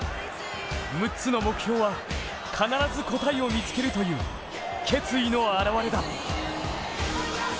６つの目標は必ず答えを見つけるという決意の表れだ。